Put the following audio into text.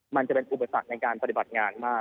มันจะเป็นอุปสรรคในการปฏิบัติงานมาก